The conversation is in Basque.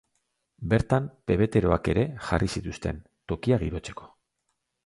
Bertan, pebeteroak ere jarri zituzten, tokia girotzeko.